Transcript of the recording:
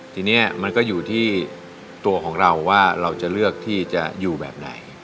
ทีนี้มันก็อยู่ที่ตัวของเราว่าเราจะเลือกที่จะอยู่แบบไหน